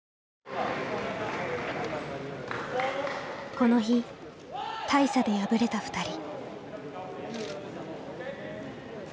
この日大差で敗れたふたり。